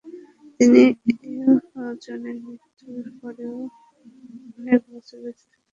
তিনি এয়াজেনের মৃত্যুর পরও অনেক বছর বেঁচেছিলেন।